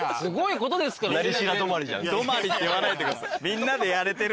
「止まり」って言わないでください。